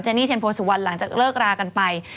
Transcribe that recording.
นี่เทียนโพสุวรรณหลังจากเลิกรากันไป